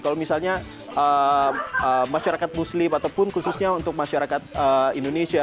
kalau misalnya masyarakat muslim ataupun khususnya untuk masyarakat indonesia